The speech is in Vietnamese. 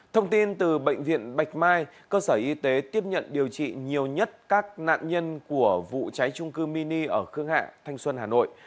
thông tin từ bệnh viện bạch mai cơ sở y tế tiếp nhận điều trị nhiều nhất các nạn nhân của vụ cháy trung cư mini ở khương hạ thanh xuân hà nội